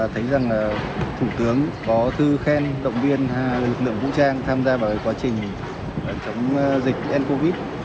thấy rằng thủ tướng có tư khen động viên lực lượng vũ trang tham gia vào quá trình chống dịch ncov